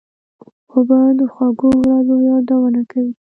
اوبه د خوږو ورځو یادونه کوي.